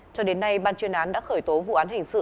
cho đến nay ban chuyên án đã khởi tố vụ án hình sự